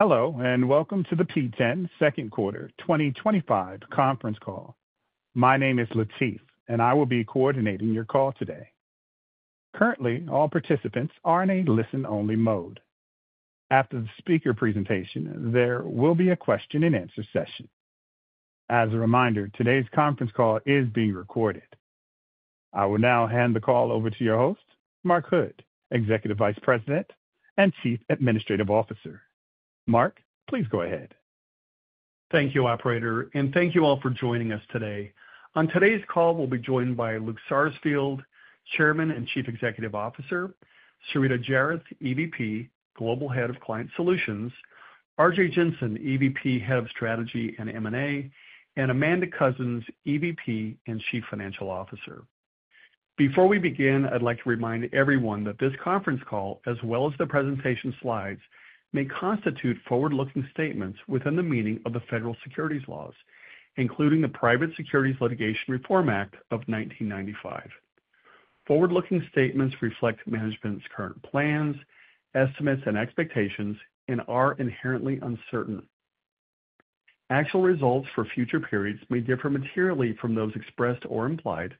Hello and welcome to the P10 Second Quarter 2025 Conference Call. My name is Latif, and I will be coordinating your call today. Currently, all participants are in a listen-only mode. After the speaker presentation, there will be a question-and-answer session. As a reminder, today's conference call is being recorded. I will now hand the call over to your host, Mark Hood, Executive Vice President and Chief Administrative Officer. Mark, please go ahead. Thank you, Operator, and thank you all for joining us today. On today's call, we'll be joined by Luke Sarsfield, Chairman and Chief Executive Officer; Sarita Narson Jairath, EVP, Global Head of Client Solutions; Arjay Jensen, EVP, Head of Strategy and M&A; and Amanda Coussens, EVP and Chief Financial Officer. Before we begin, I'd like to remind everyone that this conference call, as well as the presentation slides, may constitute forward-looking statements within the meaning of the Federal Securities Laws, including the Private Securities Litigation Reform Act of 1995. Forward-looking statements reflect management's current plans, estimates, and expectations and are inherently uncertain. Actual results for future periods may differ materially from those expressed or implied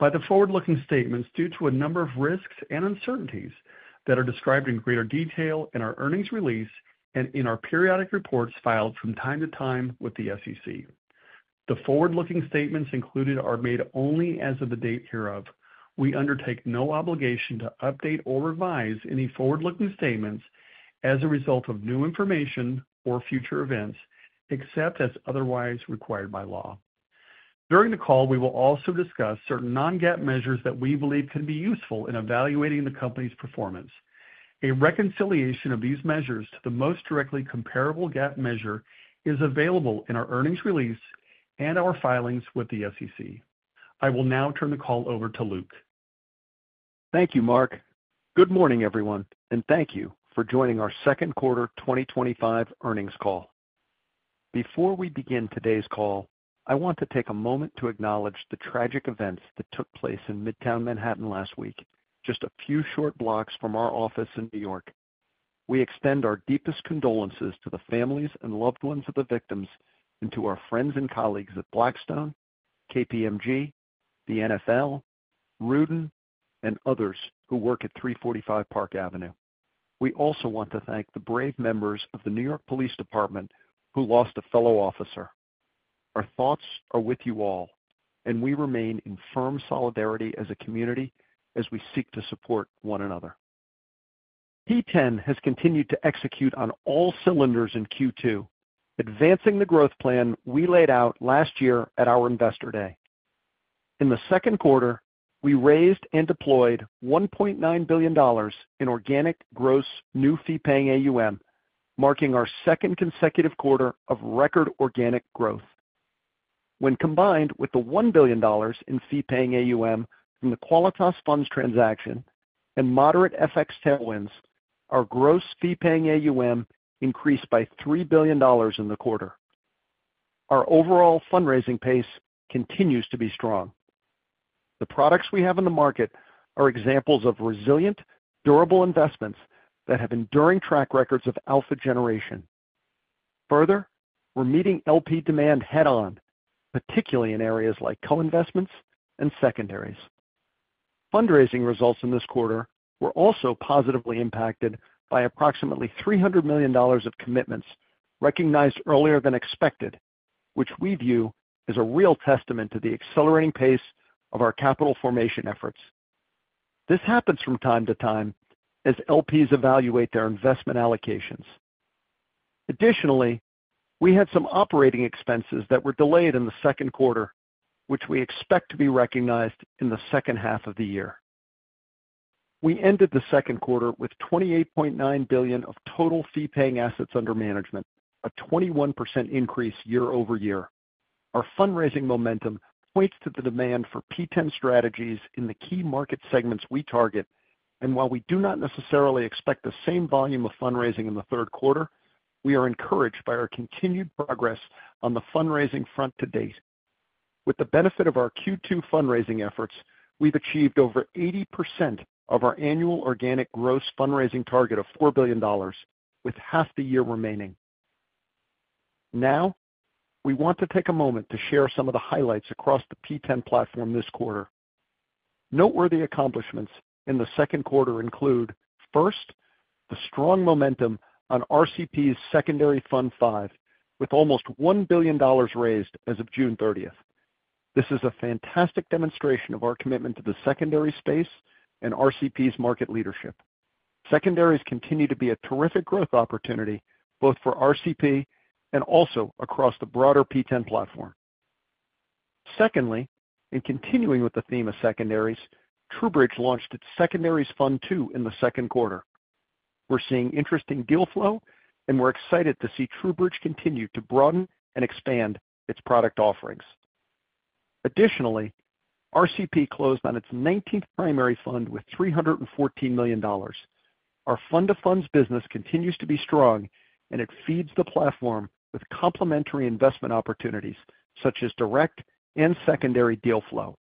by the forward-looking statements due to a number of risks and uncertainties that are described in greater detail in our earnings release and in our periodic reports filed from time to time with the SEC. The forward-looking statements included are made only as of the date hereof. We undertake no obligation to update or revise any forward-looking statements as a result of new information or future events, except as otherwise required by law. During the call, we will also discuss certain non-GAAP measures that we believe can be useful in evaluating the company's performance. A reconciliation of these measures to the most directly comparable GAAP measure is available in our earnings release and our filings with the SEC. I will now turn the call over to Luke. Thank you, Mark. Good morning, everyone, and thank you for joining our Second Quarter 2025 Earnings Call. Before we begin today's call, I want to take a moment to acknowledge the tragic events that took place in Midtown Manhattan last week, just a few short blocks from our office in New York. We extend our deepest condolences to the families and loved ones of the victims and to our friends and colleagues at Blackstone, KPMG, the NFL, Rudin, and others who work at 345 Park Avenue. We also want to thank the brave members of the New York Police Department who lost a fellow officer. Our thoughts are with you all, and we remain in firm solidarity as a community as we seek to support one another. P10 has continued to execute on all cylinders in Q2, advancing the growth plan we laid out last year at our Investor Day. In the second quarter, we raised and deployed $1.9 billion in organic gross new fee-paying AUM, marking our second consecutive quarter of record organic growth. When combined with the $1 billion in fee-paying AUM from the Qualitas Funds transaction and moderate FX tailwinds, our gross fee-paying AUM increased by $3 billion in the quarter. Our overall fundraising pace continues to be strong. The products we have in the market are examples of resilient, durable investments that have enduring track records of alpha generation. Further, we're meeting LP demand head-on, particularly in areas like co-investments and secondaries. Fundraising results in this quarter were also positively impacted by approximately $300 million of commitments recognized earlier than expected, which we view as a real testament to the accelerating pace of our capital formation efforts. This happens from time to time as LPs evaluate their investment allocations. Additionally, we had some operating expenses that were delayed in the second quarter, which we expect to be recognized in the second half of the year. We ended the second quarter with $28.9 billion of total fee-paying assets under management, a 21% increase year-over-year. Our fundraising momentum points to the demand for P10 strategies in the key market segments we target, and while we do not necessarily expect the same volume of fundraising in the third quarter, we are encouraged by our continued progress on the fundraising front to date. With the benefit of our Q2 fundraising efforts, we've achieved over 80% of our annual organic gross fundraising target of $4 billion, with half the year remaining. Now, we want to take a moment to share some of the highlights across the P10 platform this quarter. Noteworthy accomplishments in the second quarter include: first, the strong momentum on RCP Secondary Fund V, with almost $1 billion raised as of June 30. This is a fantastic demonstration of our commitment to the secondary space and RCP's market leadership. Secondaries continue to be a terrific growth opportunity both for RCP and also across the broader P10 platform. Secondly, in continuing with the theme of secondaries, TruBridge launched its Secondaries Fund II in the second quarter. We're seeing interesting deal flow, and we're excited to see TruBridge continue to broaden and expand its product offerings. Additionally, RCP closed on its 19th primary fund with $314 million. Our fund-to-funds business continues to be strong, and it feeds the platform with complementary investment opportunities, such as direct and secondary deal flow.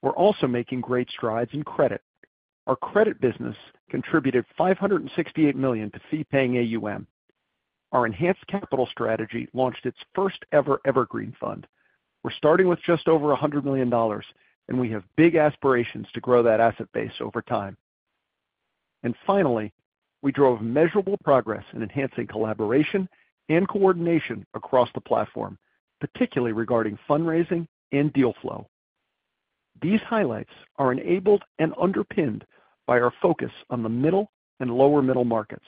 We're also making great strides in credit. Our credit business contributed $568 million to fee-paying AUM. Our Enhanced Capital strategy launched its first-ever Evergreen Fund. We're starting with just over $100 million, and we have big aspirations to grow that asset base over time. Finally, we drove measurable progress in enhancing collaboration and coordination across the platform, particularly regarding fundraising and deal flow. These highlights are enabled and underpinned by our focus on the middle and lower middle markets.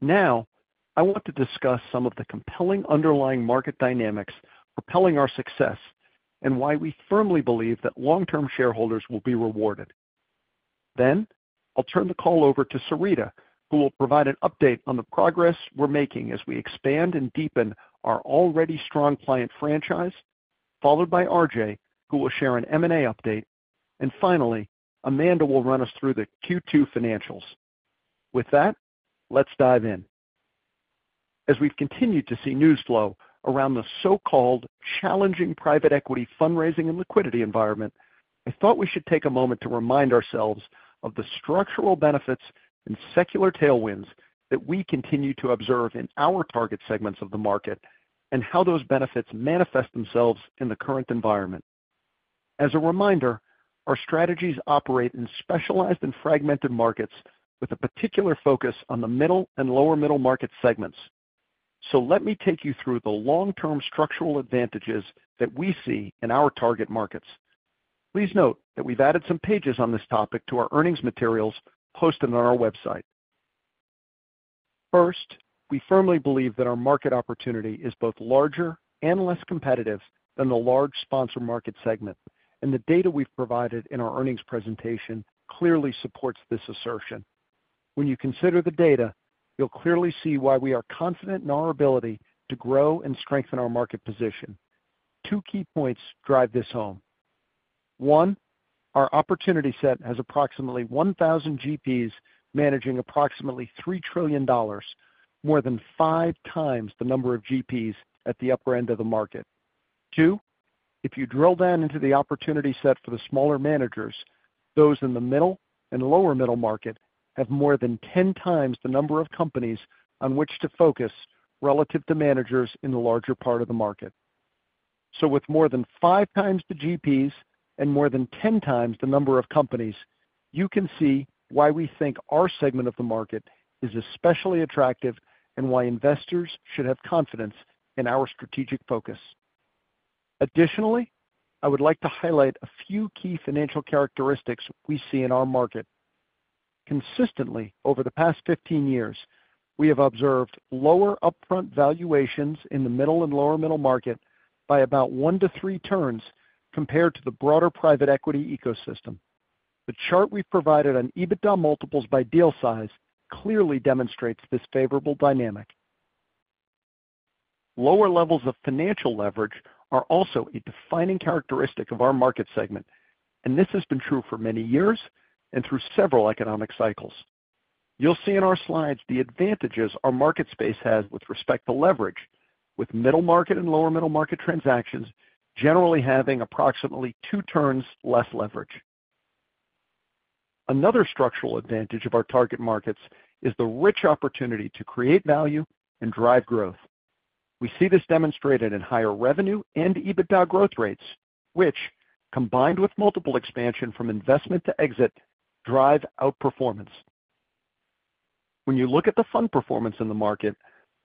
Now, I want to discuss some of the compelling underlying market dynamics propelling our success and why we firmly believe that long-term shareholders will be rewarded. I'll turn the call over to Sarita, who will provide an update on the progress we're making as we expand and deepen our already strong client franchise, followed by Arjay, who will share an M&A update, and finally, Amanda will run us through the Q2 financials. With that, let's dive in. As we've continued to see news flow around the so-called challenging private equity fundraising and liquidity environment, I thought we should take a moment to remind ourselves of the structural benefits and secular tailwinds that we continue to observe in our target segments of the market and how those benefits manifest themselves in the current environment. As a reminder, our strategies operate in specialized and fragmented markets with a particular focus on the middle and lower middle market segments. Let me take you through the long-term structural advantages that we see in our target markets. Please note that we've added some pages on this topic to our earnings materials posted on our website. First, we firmly believe that our market opportunity is both larger and less competitive than the large sponsor market segment, and the data we've provided in our earnings presentation clearly supports this assertion. When you consider the data, you'll clearly see why we are confident in our ability to grow and strengthen our market position. Two key points drive this home. One, our opportunity set has approximately 1,000 GPs managing approximately $3 trillion, more than 5x the number of GPs at the upper end of the market. Two, if you drill down into the opportunity set for the smaller managers, those in the middle and lower middle market have more than 10x the number of companies on which to focus relative to managers in the larger part of the market. With more than 5x the GPs and more than 10x the number of companies, you can see why we think our segment of the market is especially attractive and why investors should have confidence in our strategic focus. Additionally, I would like to highlight a few key financial characteristics we see in our market. Consistently over the past 15 years, we have observed lower upfront valuations in the middle and lower middle market by about one to three turns compared to the broader private equity ecosystem. The chart we've provided on EBITDA multiples by deal size clearly demonstrates this favorable dynamic. Lower levels of financial leverage are also a defining characteristic of our market segment, and this has been true for many years and through several economic cycles. You'll see in our slides the advantages our market space has with respect to leverage, with middle market and lower middle market transactions generally having approximately two turns less leverage. Another structural advantage of our target markets is the rich opportunity to create value and drive growth. We see this demonstrated in higher revenue and EBITDA growth rates, which, combined with multiple expansion from investment to exit, drive outperformance. When you look at the fund performance in the market,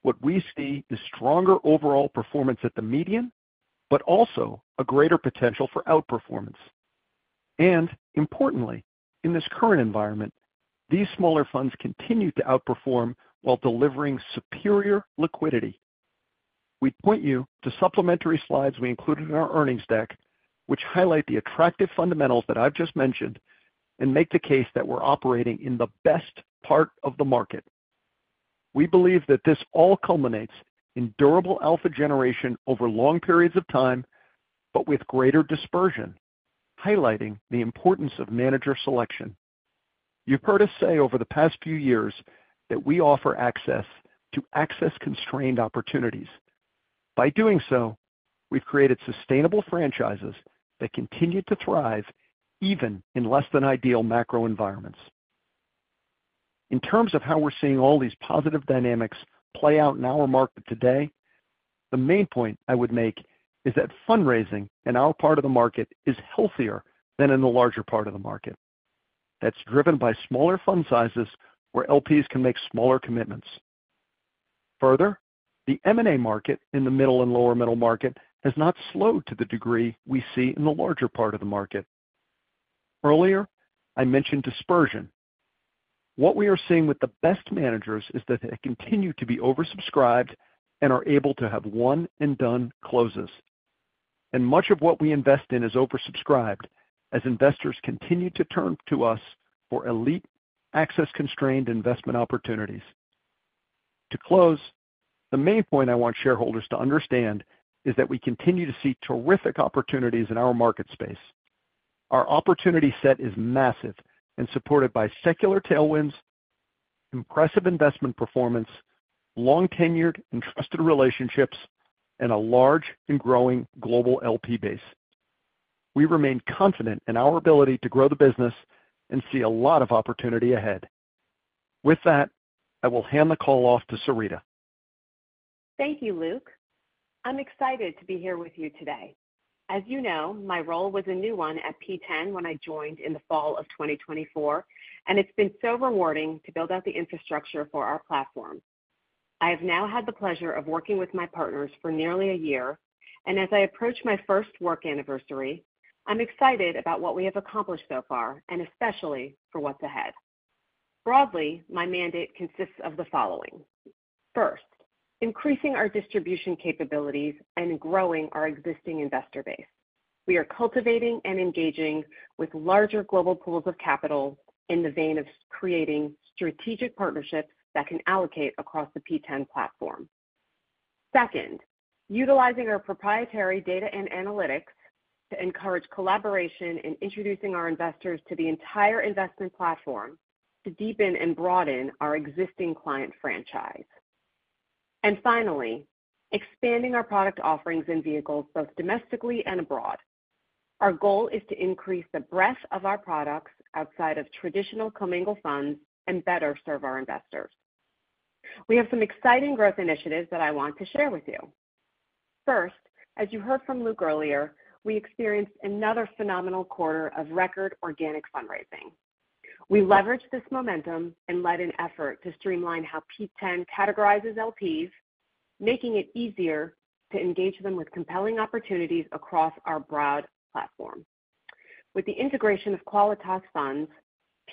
what we see is stronger overall performance at the median, but also a greater potential for outperformance. Importantly, in this current environment, these smaller funds continue to outperform while delivering superior liquidity. We would point you to supplementary slides we included in our earnings deck, which highlight the attractive fundamentals that I have just mentioned and make the case that we are operating in the best part of the market. We believe that this all culminates in durable alpha generation over long periods of time, with greater dispersion, highlighting the importance of manager selection. You have heard us say over the past few years that we offer access to access-constrained opportunities. By doing so, we have created sustainable franchises that continue to thrive even in less than ideal macro environments. In terms of how we are seeing all these positive dynamics play out in our market today, the main point I would make is that fundraising in our part of the market is healthier than in the larger part of the market. That is driven by smaller fund sizes where LPs can make smaller commitments. Further, the M&A market in the middle and lower middle market has not slowed to the degree we see in the larger part of the market. Earlier, I mentioned dispersion. What we are seeing with the best managers is that they continue to be oversubscribed and are able to have one-and-done closes. Much of what we invest in is oversubscribed as investors continue to turn to us for elite, access-constrained investment opportunities. To close, the main point I want shareholders to understand is that we continue to see terrific opportunities in our market space. Our opportunity set is massive and supported by secular tailwinds, impressive investment performance, long tenured and trusted relationships, and a large and growing global LP base. We remain confident in our ability to grow the business and see a lot of opportunity ahead. With that, I will hand the call off to Sarita. Thank you, Luke. I'm excited to be here with you today. As you know, my role was a new one at P10 when I joined in the fall of 2024, and it's been so rewarding to build out the infrastructure for our platform. I have now had the pleasure of working with my partners for nearly a year, and as I approach my first work anniversary, I'm excited about what we have accomplished so far, especially for what's ahead. Broadly, my mandate consists of the following: first, increasing our distribution capabilities and growing our existing investor base. We are cultivating and engaging with larger global pools of capital in the vein of creating strategic partnerships that can allocate across the P10 platform. Second, utilizing our proprietary data and analytics to encourage collaboration and introducing our investors to the entire investment platform to deepen and broaden our existing client franchise. Finally, expanding our product offerings and vehicles both domestically and abroad. Our goal is to increase the breadth of our products outside of traditional commingled funds and better serve our investors. We have some exciting growth initiatives that I want to share with you. First, as you heard from Luke earlier, we experienced another phenomenal quarter of record organic fundraising. We leveraged this momentum and led an effort to streamline how P10 categorizes LPs, making it easier to engage them with compelling opportunities across our broad platform. With the integration of Qualitas Funds,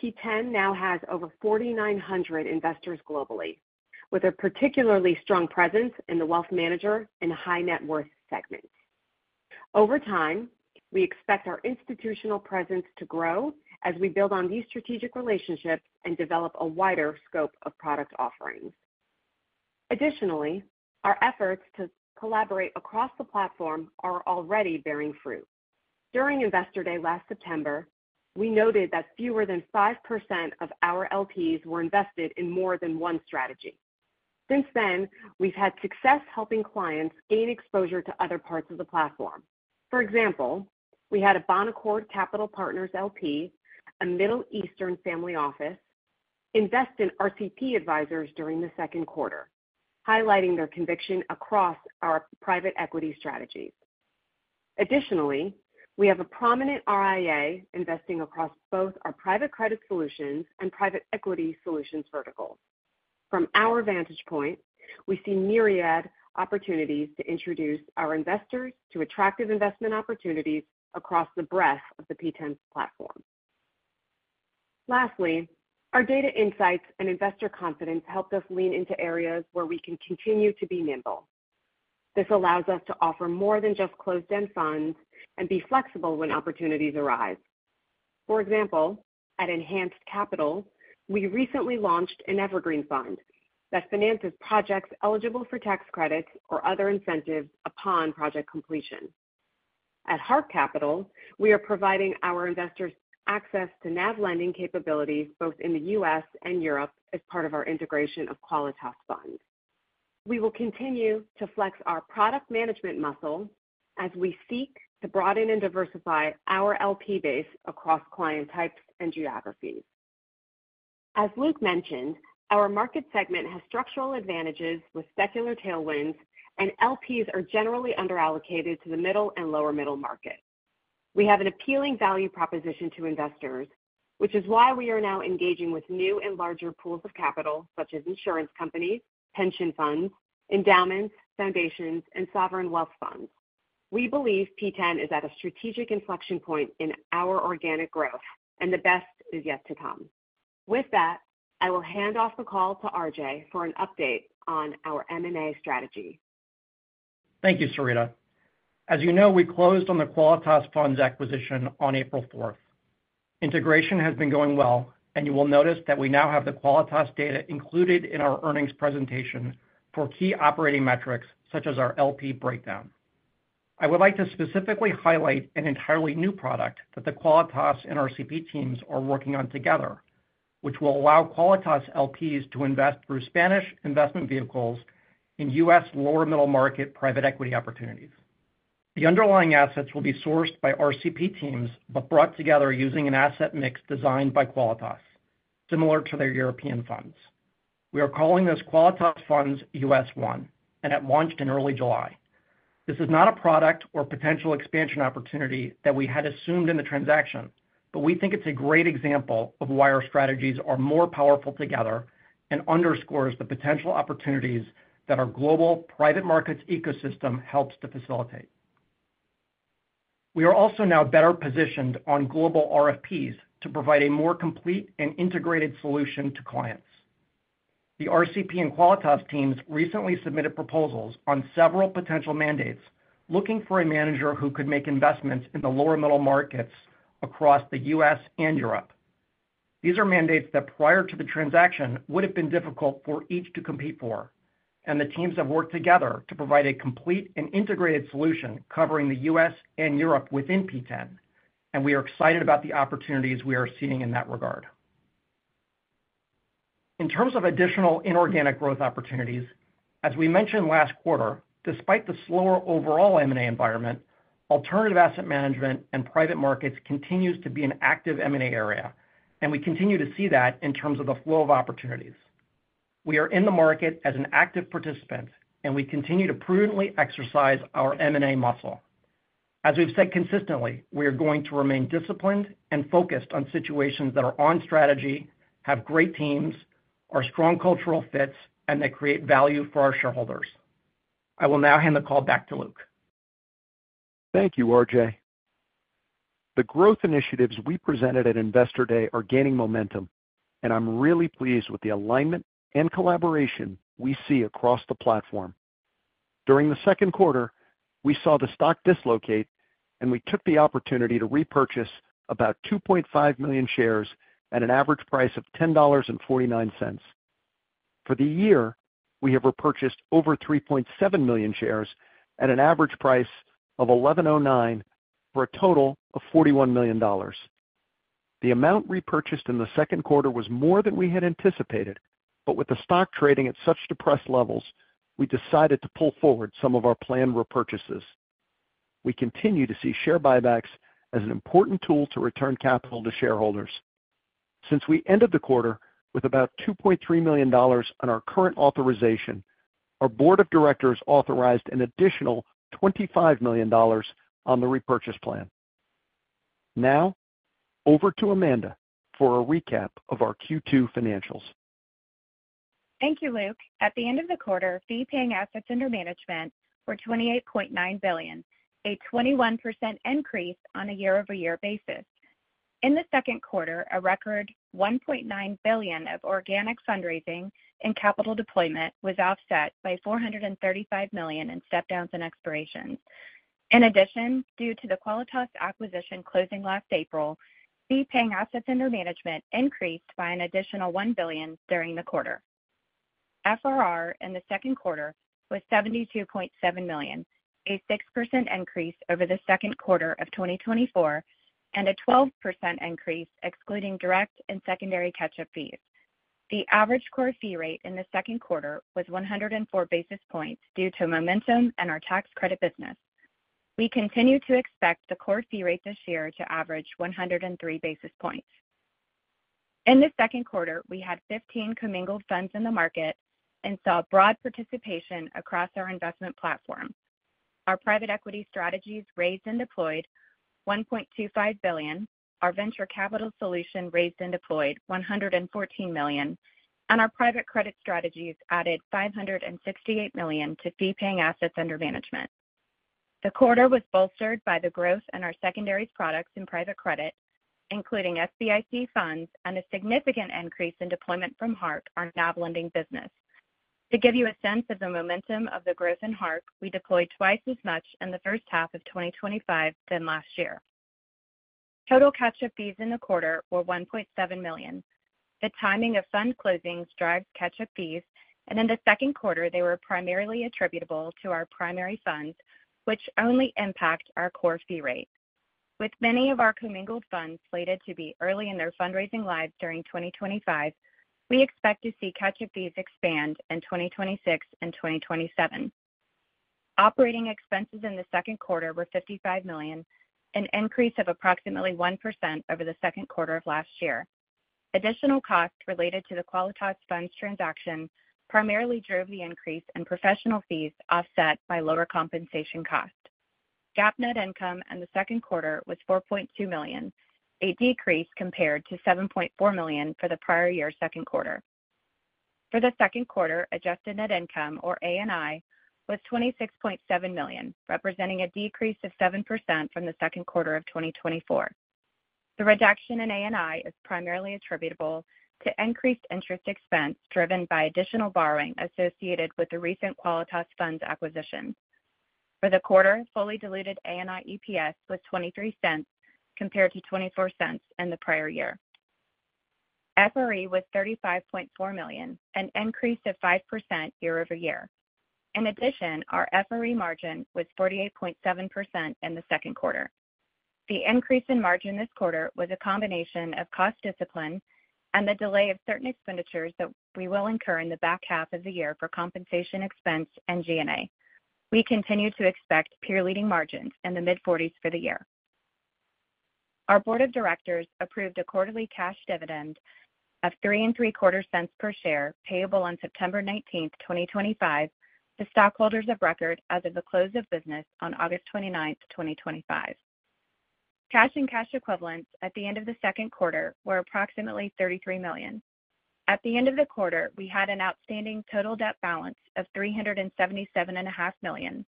P10 now has over 4,900 investors globally, with a particularly strong presence in the wealth manager and high net worth segment. Over time, we expect our institutional presence to grow as we build on these strategic relationships and develop a wider scope of product offerings. Additionally, our efforts to collaborate across the platform are already bearing fruit. During Investor Day last September, we noted that fewer than 5% of our LPs were invested in more than one strategy. Since then, we've had success helping clients gain exposure to other parts of the platform. For example, we had a Bonaccord Capital Partners Fund LP, a Middle Eastern family office, invest in RCP during the second quarter, highlighting their conviction across our private equity strategies. Additionally, we have a prominent RIA investing across both our private credit solutions and private equity solutions vertical. From our vantage point, we see myriad opportunities to introduce our investors to attractive investment opportunities across the breadth of the P10 platform. Lastly, our data insights and investor confidence helped us lean into areas where we can continue to be nimble. This allows us to offer more than just closed-end funds and be flexible when opportunities arise. For example, at Enhanced Capital, we recently launched an Evergreen Fund that finances projects eligible for tax credits or other incentives upon project completion. At Qualitas Funds, we are providing our investors access to NAV lending capabilities both in the U.S. and Europe as part of our integration of Qualitas Funds. We will continue to flex our product management muscle as we seek to broaden and diversify our LP base across client types and geographies. As Luke mentioned, our market segment has structural advantages with secular tailwinds, and LPs are generally under-allocated to the middle and lower middle market. We have an appealing value proposition to investors, which is why we are now engaging with new and larger pools of capital, such as insurance companies, pension funds, endowments, foundations, and sovereign wealth funds. We believe P10 is at a strategic inflection point in our organic growth, and the best is yet to come. With that, I will hand off the call to Arjay for an update on our M&A strategy. Thank you, Sarita. As you know, we closed on the Qualitas Funds acquisition on April 4. Integration has been going well, and you will notice that we now have the Qualitas data included in our earnings presentation for key operating metrics, such as our LP breakdown. I would like to specifically highlight an entirely new product that the Qualitas and RCP teams are working on together, which will allow Qualitas LPs to invest through Spanish investment vehicles in U.S. lower middle market private equity opportunities. The underlying assets will be sourced by RCP teams, but brought together using an asset mix designed by Qualitas, similar to their European funds. We are calling this Qualitas Funds US1, and it launched in early July. This is not a product or potential expansion opportunity that we had assumed in the transaction, but we think it's a great example of why our strategies are more powerful together and underscores the potential opportunities that our global private markets ecosystem helps to facilitate. We are also now better positioned on global RFPs to provide a more complete and integrated solution to clients. The RCP and Qualitas teams recently submitted proposals on several potential mandates looking for a manager who could make investments in the lower middle markets across the U.S. and Europe. These are mandates that prior to the transaction would have been difficult for each to compete for, and the teams have worked together to provide a complete and integrated solution covering the U.S. and Europe within P10, and we are excited about the opportunities we are seeing in that regard. In terms of additional inorganic growth opportunities, as we mentioned last quarter, despite the slower overall M&A environment, alternative asset management and private markets continue to be an active M&A area, and we continue to see that in terms of the flow of opportunities. We are in the market as an active participant, and we continue to prudently exercise our M&A muscle. As we've said consistently, we are going to remain disciplined and focused on situations that are on strategy, have great teams, are strong cultural fits, and that create value for our shareholders. I will now hand the call back to Luke. Thank you, Arjay. The growth initiatives we presented at Investor Day are gaining momentum, and I'm really pleased with the alignment and collaboration we see across the platform. During the second quarter, we saw the stock dislocate, and we took the opportunity to repurchase about 2.5 million shares at an average price of $10.49. For the year, we have repurchased over 3.7 million shares at an average price of $11.09 for a total of $41 million. The amount repurchased in the second quarter was more than we had anticipated, but with the stock trading at such depressed levels, we decided to pull forward some of our planned repurchases. We continue to see share buybacks as an important tool to return capital to shareholders. Since we ended the quarter with about $2.3 million on our current authorization, our board of directors authorized an additional $25 million on the repurchase plan. Now, over to Amanda for a recap of our Q2 financials. Thank you, Luke. At the end of the quarter, fee-paying assets under management were $28.9 billion, a 21% increase on a year-over-year basis. In the second quarter, a record $1.9 billion of organic fundraising and capital deployment was offset by $435 million in stepdowns and expirations. In addition, due to the Qualitas Funds acquisition closing last April, fee-paying assets under management increased by an additional $1 billion during the quarter. FRR in the second quarter was $72.7 million, a 6% increase over the second quarter of 2024, and a 12% increase excluding direct and secondary catch-up fees. The average core fee rate in the second quarter was 104 basis points due to momentum in our tax credit business. We continue to expect the core fee rate this year to average 103 basis points. In the second quarter, we had 15 commingled funds in the market and saw broad participation across our investment platform. Our private equity strategies raised and deployed $1.25 billion, our venture capital solution raised and deployed $114 million, and our private credit strategies added $568 million to fee-paying assets under management. The quarter was bolstered by the growth in our secondaries products and private credit, including SBIC funds, and a significant increase in deployment from Hark, our NAV lending business. To give you a sense of the momentum of the growth in Hark, we deployed twice as much in the first half of 2025 than last year. Total catch-up fees in the quarter were $1.7 million. The timing of fund closings drives catch-up fees, and in the second quarter, they were primarily attributable to our primary funds, which only impact our core fee rate. With many of our commingled funds slated to be early in their fundraising lives during 2025, we expect to see catch-up fees expand in 2026 and 2027. Operating expenses in the second quarter were $55 million, an increase of approximately 1% over the second quarter of last year. Additional costs related to the Qualitas Funds transaction primarily drove the increase in professional fees offset by lower compensation cost. GAAP net income in the second quarter was $4.2 million, a decrease compared to $7.4 million for the prior year's second quarter. For the second quarter, adjusted net income, or ANI, was $26.7 million, representing a decrease of 7% from the second quarter of 2024. The reduction in ANI is primarily attributable to increased interest expense driven by additional borrowing associated with the recent Qualitas Funds acquisition. For the quarter, fully diluted ANI EPS was $0.23 compared to $0.24 in the prior year. FRE was $35.4 million, an increase of 5% year-over-year. In addition, our FRE margin was 48.7% in the second quarter. The increase in margin this quarter was a combination of cost discipline and the delay of certain expenditures that we will incur in the back half of the year for compensation expense and G&A. We continue to expect peer-leading margins in the mid-40% for the year. Our Board of Directors approved a quarterly cash dividend of $3.34 per share payable on September 19, 2025, to stockholders of record as of the close of business on August 29, 2025. Cash and cash equivalents at the end of the second quarter were approximately $33 million. At the end of the quarter, we had an outstanding total debt balance of $377.5 million,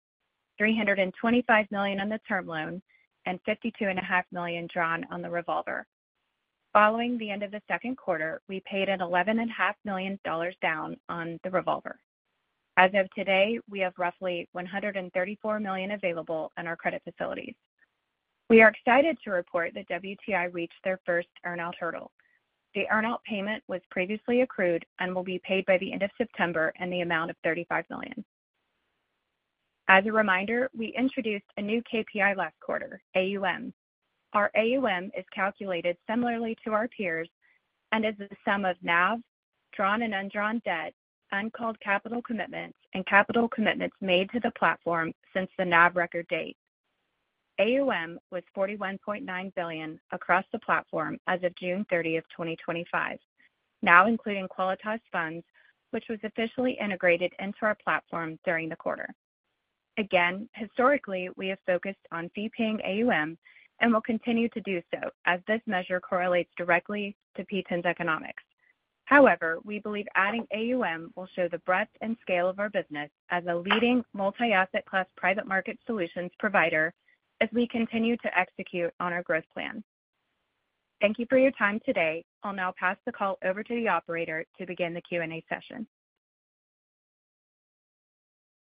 $325 million on the term loan, and $52.5 million drawn on the revolver. Following the end of the second quarter, we paid an $11.5 million down on the revolver. As of today, we have roughly $134 million available in our credit facilities. We are excited to report that WTI reached their first earn-out hurdle. The earn-out payment was previously accrued and will be paid by the end of September in the amount of $35 million. As a reminder, we introduced a new KPI last quarter, AUM. Our AUM is calculated similarly to our peers and is the sum of NAV, drawn and undrawn debt, uncalled capital commitments, and capital commitments made to the platform since the NAV record date. AUM was $41.9 billion across the platform as of June 30, 2025, now including Qualitas Funds, which was officially integrated into our platform during the quarter. Again, historically, we have focused on fee-paying AUM and will continue to do so as this measure correlates directly to P10's economics. However, we believe adding AUM will show the breadth and scale of our business as a leading multi-asset class private market solutions provider as we continue to execute on our growth plan. Thank you for your time today. I'll now pass the call over to the Operator to begin the Q&A session.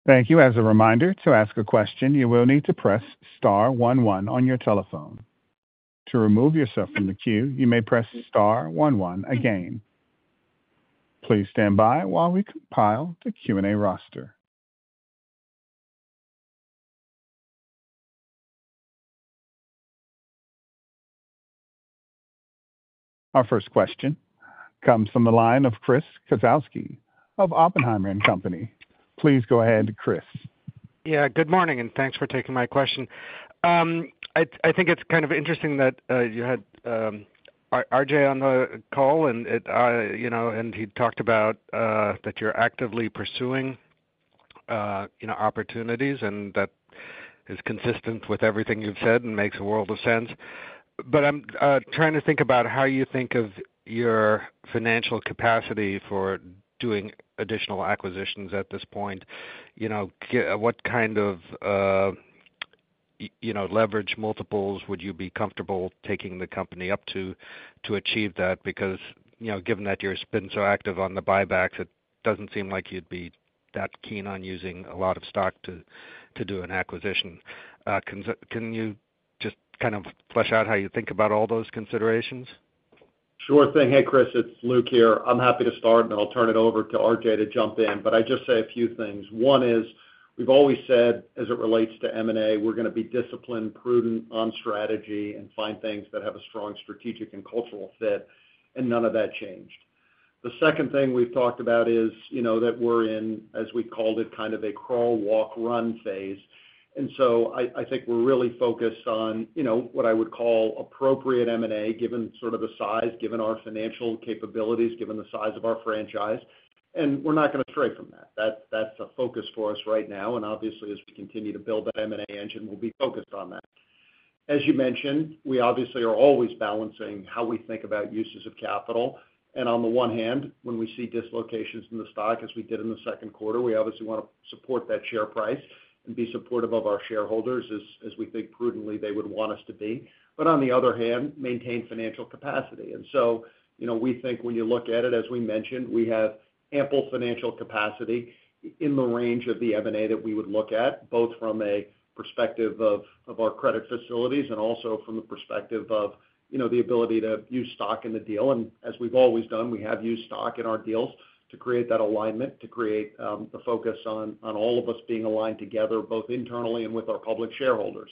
Thank you. As a reminder, to ask a question, you will need to press Star, one, one on your telephone. To remove yourself from the queue, you may press Star, one, one again. Please stand by while we compile the Q&A roster. Our first question comes from the line of Chris Kozalski of Oppenheimer & Company. Please go ahead, Chris. Good morning and thanks for taking my question. I think it's kind of interesting that you had Arjay on the call and he talked about that you're actively pursuing opportunities and that is consistent with everything you've said and makes a world of sense. I'm trying to think about how you think of your financial capacity for doing additional acquisitions at this point. What kind of leverage multiples would you be comfortable taking the company up to to achieve that? Given that you've been so active on the buybacks, it doesn't seem like you'd be that keen on using a lot of stock to do an acquisition. Can you just kind of flesh out how you think about all those considerations? Sure thing. Hey, Chris, it's Luke here. I'm happy to start, and I'll turn it over to Arjay to jump in. I'd just say a few things. One is we've always said as it relates to M&A, we're going to be disciplined, prudent on strategy, and find things that have a strong strategic and cultural fit, and none of that changed. The second thing we've talked about is, you know, that we're in, as we called it, kind of a crawl, walk, run phase. I think we're really focused on, you know, what I would call appropriate M&A, given sort of the size, given our financial capabilities, given the size of our franchise, and we're not going to stray from that. That's a focus for us right now. Obviously, as we continue to build that M&A engine, we'll be focused on that. As you mentioned, we obviously are always balancing how we think about uses of capital. On the one hand, when we see dislocations in the stock, as we did in the second quarter, we obviously want to support that share price and be supportive of our shareholders as we think prudently they would want us to be. On the other hand, maintain financial capacity. We think when you look at it, as we mentioned, we have ample financial capacity in the range of the M&A that we would look at, both from a perspective of our credit facilities and also from the perspective of, you know, the ability to use stock in the deal. As we've always done, we have used stock in our deals to create that alignment, to create the focus on all of us being aligned together, both internally and with our public shareholders.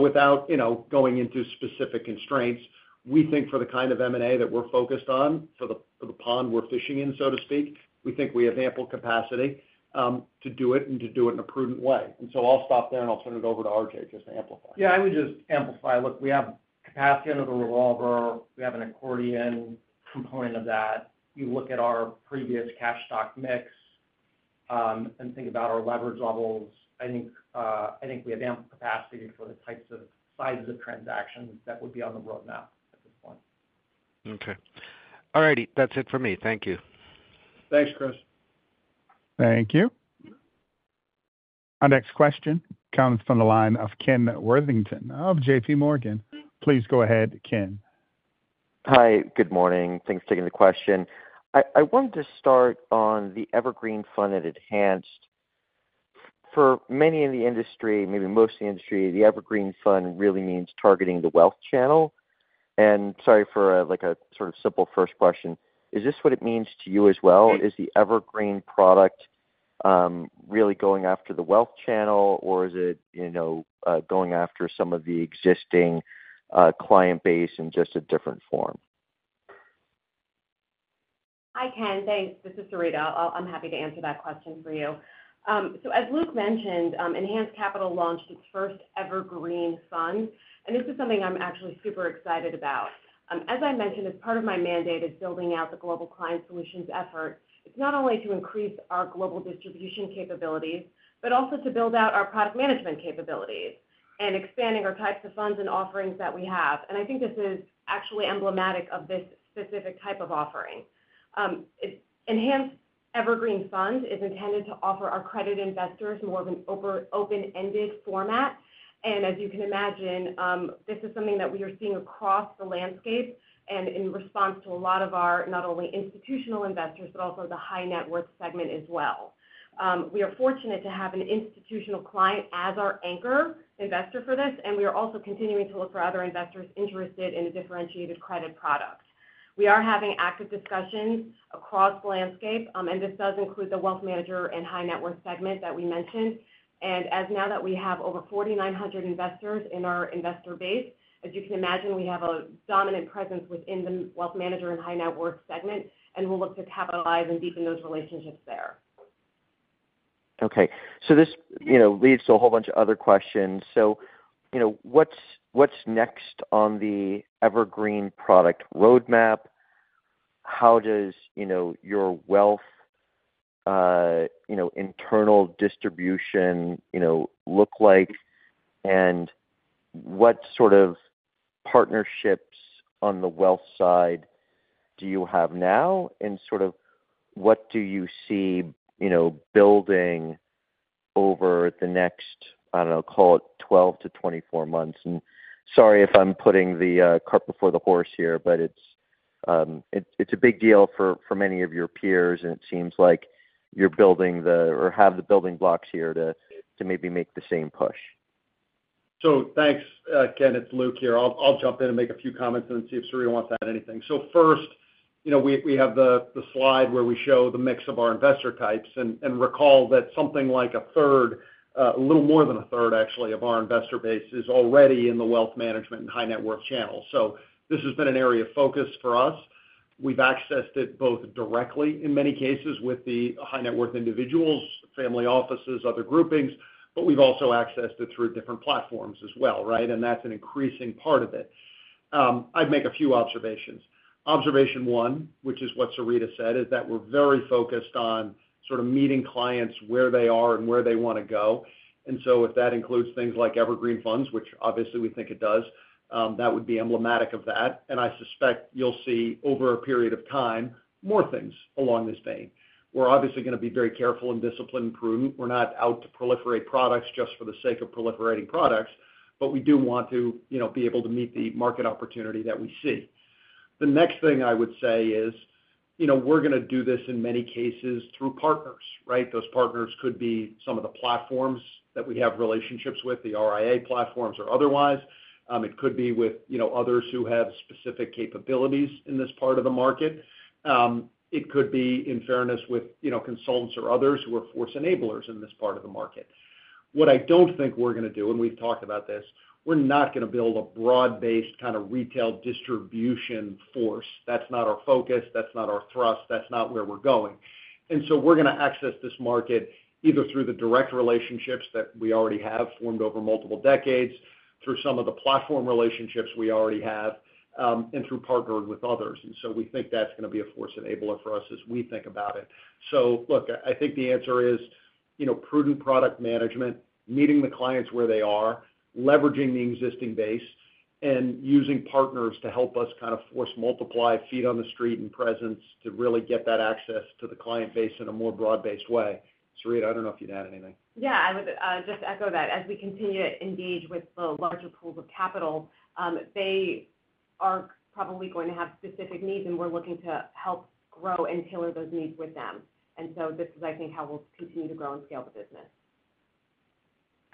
Without, you know, going into specific constraints, we think for the kind of M&A that we're focused on, for the pond we're fishing in, so to speak, we think we have ample capacity to do it and to do it in a prudent way. I'll stop there and I'll turn it over to Arjay to just amplify. Yeah, I would just amplify. Look, we have capacity under the revolver. We have an accordion component of that. You look at our previous cash stock mix and think about our leverage levels. I think we have ample capacity for the types of sizes of transactions that would be on the roadmap at this point. Okay. All righty. That's it for me. Thank you. Thanks, Chris. Thank you. Our next question comes from the line of Kenneth Brooks Worthington of JPMorgan. Please go ahead, Ken. Hi, good morning. Thanks for taking the question. I wanted to start on the Evergreen Fund at Enhanced. For many in the industry, maybe most of the industry, the Evergreen Fund really means targeting the wealth channel. Sorry for a sort of simple first question. Is this what it means to you as well? Is the Evergreen product really going after the wealth channel, or is it going after some of the existing client base in just a different form? Hi, Ken. Thanks. This is Sarita. I'm happy to answer that question for you. As Luke mentioned, Enhanced Capital launched its first Evergreen Fund, and this is something I'm actually super excited about. As I mentioned, as part of my mandate is building out the global client solutions effort. It's not only to increase our global distribution capabilities, but also to build out our product management capabilities and expanding our types of funds and offerings that we have. I think this is actually emblematic of this specific type of offering. Enhanced Evergreen Fund is intended to offer our credit investors more of an open-ended format. As you can imagine, this is something that we are seeing across the landscape and in response to a lot of our not only institutional investors, but also the high net worth segment as well. We are fortunate to have an institutional client as our anchor investor for this, and we are also continuing to look for other investors interested in a differentiated credit product. We are having active discussions across the landscape, and this does include the wealth manager and high net worth segment that we mentioned. Now that we have over 4,900 investors in our investor base, as you can imagine, we have a dominant presence within the wealth manager and high net worth segment, and we'll look to capitalize and deepen those relationships there. Okay. This leads to a whole bunch of other questions. What's next on the Evergreen product roadmap? How does your wealth internal distribution look like? What sort of partnerships on the wealth side do you have now? What do you see building over the next, I don't know, call it 12-24 months? Sorry if I'm putting the cart before the horse here, but it's a big deal for many of your peers, and it seems like you're building or have the building blocks here to maybe make the same push. Thanks, Ken. It's Luke here. I'll jump in and make a few comments and then see if Sarita wants to add anything. First, we have the slide where we show the mix of our investor types, and recall that something like a third, a little more than a third actually, of our investor base is already in the wealth management and high net worth channel. This has been an area of focus for us. We've accessed it both directly in many cases with the high net worth individuals, family offices, other groupings, but we've also accessed it through different platforms as well, right? That's an increasing part of it. I'd make a few observations. Observation one, which is what Sarita said, is that we're very focused on sort of meeting clients where they are and where they want to go. If that includes things like Evergreen Funds, which obviously we think it does, that would be emblematic of that. I suspect you'll see over a period of time more things along this vein. We're obviously going to be very careful and disciplined and prudent. We're not out to proliferate products just for the sake of proliferating products, but we do want to be able to meet the market opportunity that we see. The next thing I would say is we're going to do this in many cases through partners, right? Those partners could be some of the platforms that we have relationships with, the RIA platforms or otherwise. It could be with others who have specific capabilities in this part of the market. It could be in fairness with consultants or others who are force enablers in this part of the market. What I don't think we're going to do, and we've talked about this, we're not going to build a broad-based kind of retail distribution force. That's not our focus. That's not our thrust. That's not where we're going. We're going to access this market either through the direct relationships that we already have formed over multiple decades, through some of the platform relationships we already have, and through partnering with others. We think that's going to be a force enabler for us as we think about it. I think the answer is prudent product management, meeting the clients where they are, leveraging the existing base, and using partners to help us kind of force multiply, feet on the street and presence to really get that access to the client base in a more broad-based way. Sarita, I don't know if you'd add anything. I would just echo that. As we continue to engage with the larger pools of capital, they are probably going to have specific needs, and we're looking to help grow and tailor those needs with them. This is, I think, how we'll continue to grow and scale the business.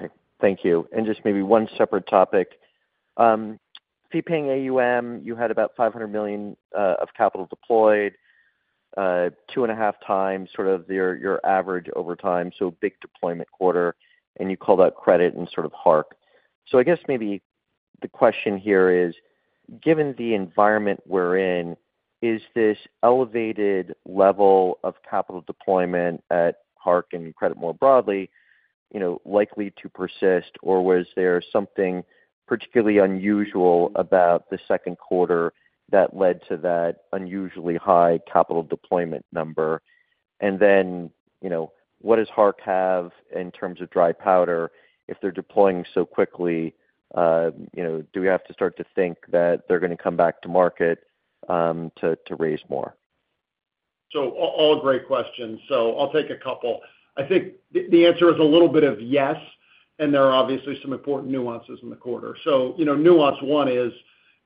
Okay. Thank you. Just maybe one separate topic. Fee-paying AUM, you had about $500 million of capital deployed, 2.5x sort of your average over time, so big deployment quarter, and you call that credit and sort of Hark. I guess maybe the question here is, given the environment we're in, is this elevated level of capital deployment at Hark and credit more broadly likely to persist, or was there something particularly unusual about the second quarter that led to that unusually high capital deployment number? What does Hark have in terms of dry powder? If they're deploying so quickly, do we have to start to think that they're going to come back to market to raise more? All great questions. I'll take a couple. I think the answer is a little bit of yes, and there are obviously some important nuances in the quarter. Nuance one is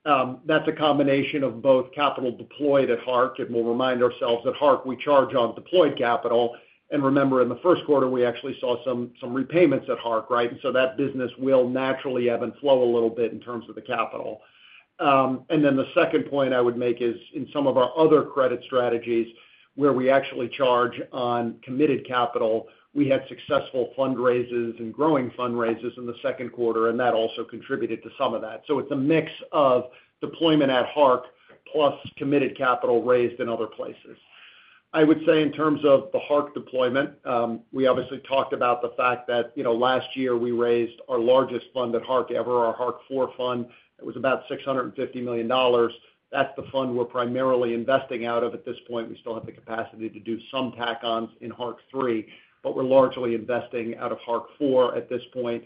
that's a combination of both capital deployed at Hark, and we'll remind ourselves at Hark, we charge on deployed capital. Remember, in the first quarter, we actually saw some repayments at Hark, right? That business will naturally ebb and flow a little bit in terms of the capital. The second point I would make is in some of our other credit strategies where we actually charge on committed capital, we had successful fundraises and growing fundraises in the second quarter, and that also contributed to some of that. It's a mix of deployment at Hark plus committed capital raised in other places. I would say in terms of the Hark deployment, we obviously talked about the fact that last year we raised our largest fund at Hark ever, our Hark 4 fund. It was about $650 million. That's the fund we're primarily investing out of at this point. We still have the capacity to do some tack-ons in Hark 3, but we're largely investing out of Hark 4 at this point.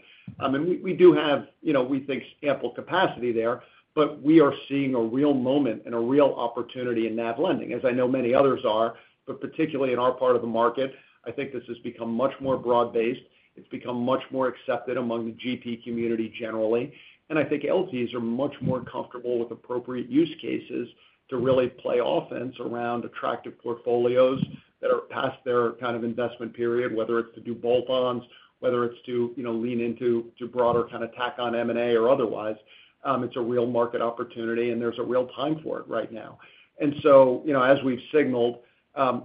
We do have, we think, ample capacity there, but we are seeing a real moment and a real opportunity in NAV lending, as I know many others are, but particularly in our part of the market. I think this has become much more broad-based. It's become much more accepted among the GP community generally. I think LPs are much more comfortable with appropriate use cases to really play offense around attractive portfolios that are past their kind of investment period, whether it's to do bolt-ons, whether it's to lean into broader kind of tack-on M&A or otherwise. It's a real market opportunity, and there's a real time for it right now. As we've signaled,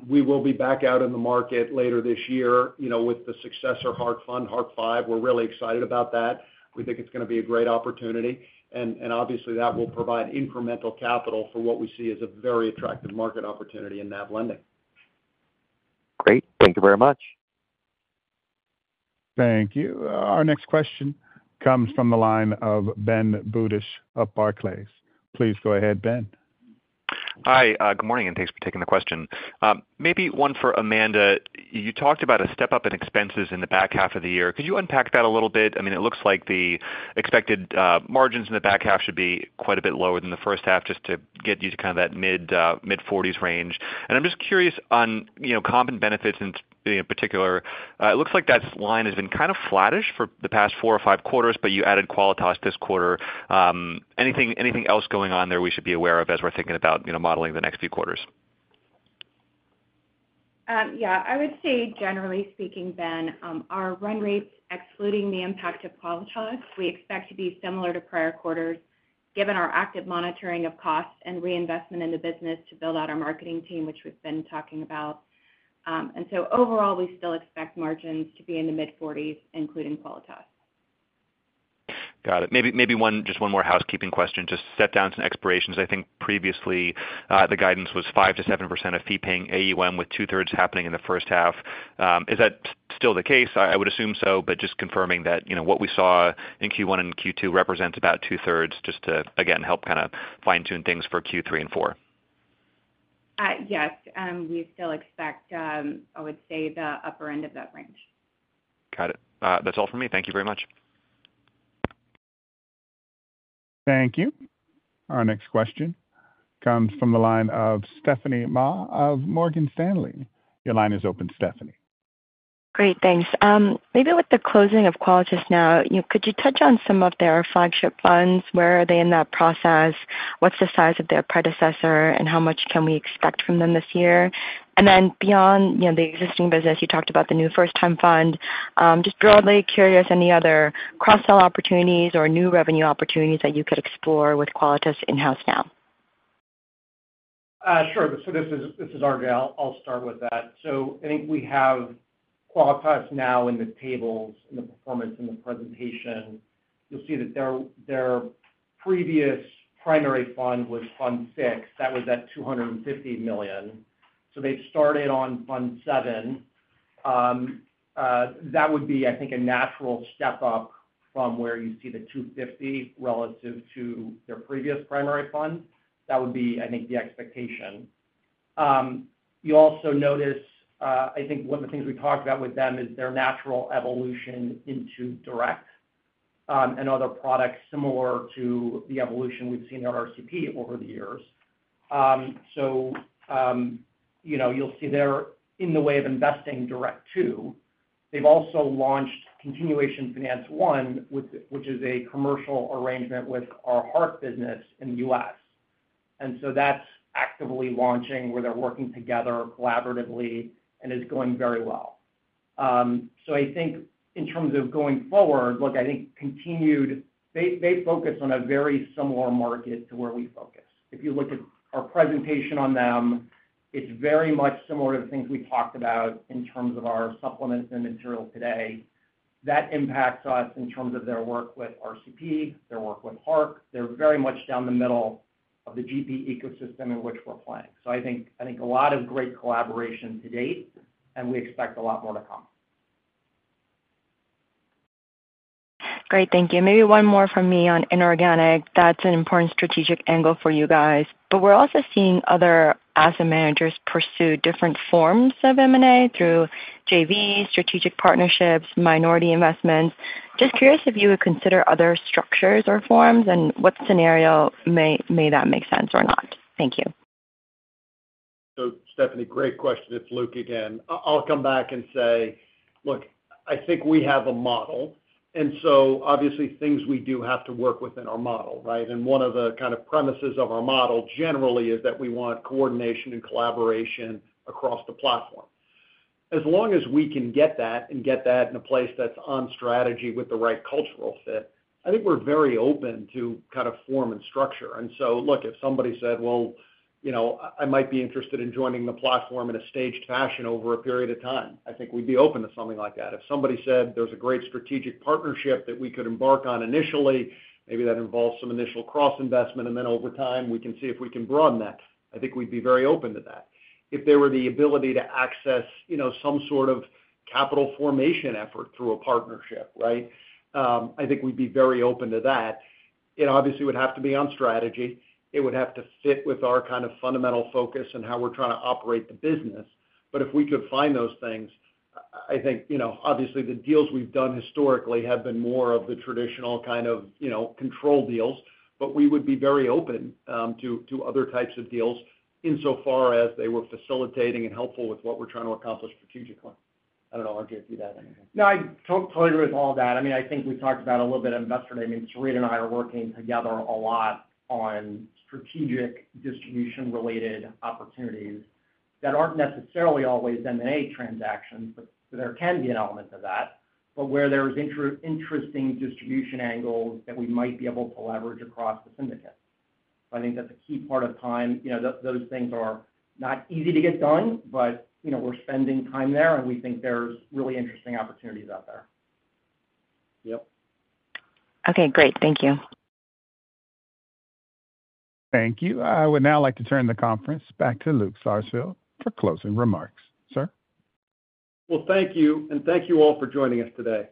we will be back out in the market later this year with the successor Hark fund, Hark 5. We're really excited about that. We think it's going to be a great opportunity, and obviously that will provide incremental capital for what we see as a very attractive market opportunity in NAV lending. Great. Thank you very much. Thank you. Our next question comes from the line of Ben Budish of Barclays. Please go ahead, Ben. Hi, good morning, and thanks for taking the question. Maybe one for Amanda. You talked about a step-up in expenses in the back half of the year. Could you unpack that a little bit? I mean, it looks like the expected margins in the back half should be quite a bit lower than the first half, just to get you to kind of that mid-40% range. I'm just curious on, you know, comp and benefits in particular. It looks like that line has been kind of flattish for the past four or five quarters, but you added Qualitas this quarter. Anything else going on there we should be aware of as we're thinking about, you know, modeling the next few quarters? Yeah, I would say generally speaking, Ben, our run rates, excluding the impact of Qualitas, we expect to be similar to prior quarters, given our active monitoring of costs and reinvestment in the business to build out our marketing team, which we've been talking about. Overall, we still expect margins to be in the mid-40%, including Qualitas's. Got it. Maybe just one more housekeeping question. Just set down some expirations. I think previously the guidance was 5%-7% of fee-paying AUM with two-thirds happening in the first half. Is that still the case? I would assume so, but just confirming that what we saw in Q1 and Q2 represents about 2/3, just to again help kind of fine-tune things for Q3 and Q4. Yes, we still expect, I would say, the upper end of that range. Got it. That's all for me. Thank you very much. Thank you. Our next question comes from the line of Stephanie Ma of Morgan Stanley. Your line is open, Stephanie. Great, thanks. Maybe with the closing of Qualitas now, could you touch on some of their flagship funds? Where are they in that process? What's the size of their predecessor and how much can we expect from them this year? Beyond the existing business, you talked about the new first-time fund. Just broadly curious, any other cross-sell opportunities or new revenue opportunities that you could explore with Qualitas in-house now? Sure. This is Arjay. I'll start with that. I think we have Qualitas now in the tables, in the performance, in the presentation. You'll see that their previous primary fund was Fund VI. That was at $250 million. They've started on Fund VII. That would be, I think, a natural step up from where you see the $250 million relative to their previous primary fund. That would be, I think, the expectation. You'll also notice, I think one of the things we talked about with them is their natural evolution into Direct and other products similar to the evolution we've seen at RCP over the years. You'll see they're in the way of investing Direct 2. They've also launched Continuation Finance 1, which is a commercial arrangement with our Hark business in the U.S., and that's actively launching where they're working together collaboratively and is going very well. In terms of going forward, I think continued, they focus on a very similar market to where we focus. If you look at our presentation on them, it's very much similar to the things we talked about in terms of our supplement and material today. That impacts us in terms of their work with RCP, their work with Hark. They're very much down the middle of the GP ecosystem in which we're playing. I think a lot of great collaboration to date, and we expect a lot more to come. Great, thank you. Maybe one more from me on inorganic. That's an important strategic angle for you guys. We're also seeing other asset managers pursue different forms of M&A through JVs, strategic partnerships, minority investments. Just curious if you would consider other structures or forms and what scenario may that make sense or not. Thank you. Stephanie, great question. It's Luke again. I'll come back and say, look, I think we have a model. Obviously, things we do have to work within our model, right? One of the kind of premises of our model generally is that we want coordination and collaboration across the platform. As long as we can get that and get that in a place that's on strategy with the right cultural fit, I think we're very open to kind of form and structure. If somebody said, you know, I might be interested in joining the platform in a staged fashion over a period of time, I think we'd be open to something like that. If somebody said there's a great strategic partnership that we could embark on initially, maybe that involves some initial cross-investment, and then over time we can see if we can broaden that, I think we'd be very open to that. If there were the ability to access some sort of capital formation effort through a partnership, I think we'd be very open to that. It obviously would have to be on strategy. It would have to fit with our kind of fundamental focus and how we're trying to operate the business. If we could find those things, I think, obviously the deals we've done historically have been more of the traditional kind of control deals, but we would be very open to other types of deals insofar as they were facilitating and helpful with what we're trying to accomplish strategically. I don't know if I gave you that. No, I totally agree with all that. I mean, I think we talked about a little bit of investors. I mean, Sarita and I are working together a lot on strategic distribution-related opportunities that aren't necessarily always M&A transactions, but there can be an element of that, where there's interesting distribution angles that we might be able to leverage across the syndicate. I think that's a key part of time. You know, those things are not easy to get done, but we're spending time there, and we think there's really interesting opportunities out there. Yep. Okay, great. Thank you. Thank you. I would now like to turn the conference back to Luke Sarsfield for closing remarks. Sir? Thank you, and thank you all for joining us today.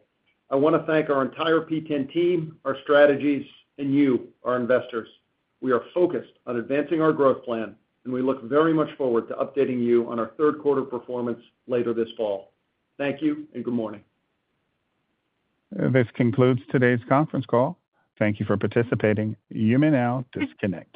I want to thank our entire P10 team, our strategies, and you, our investors. We are focused on advancing our growth plan, and we look very much forward to updating you on our third quarter performance later this fall. Thank you, and good morning. This concludes today's conference call. Thank you for participating. You may now disconnect.